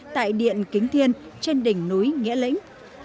tại điện kính thiên trên đỉnh núi nghĩa lĩnh